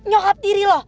nyokap diri lo